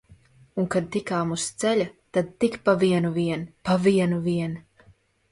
Un kad tikām uz ceļa, tad tik pa vienu vien, pa vienu vien!